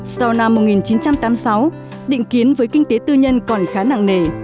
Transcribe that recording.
sau năm một nghìn chín trăm tám mươi sáu định kiến với kinh tế tư nhân còn khá nặng nề